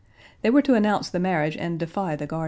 They were to announce the marriage and defy the guardians.